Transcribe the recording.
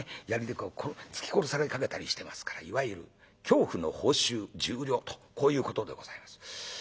槍で突き殺されかけたりしてますからいわゆる恐怖の報酬１０両とこういうことでございます。